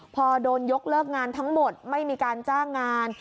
พอโดนยกเลิกงานทั้งหมดไม่มีการจ้างงาน